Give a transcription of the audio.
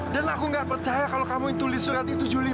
dan aku nggak percaya kalau kamu yang tulis surat itu julie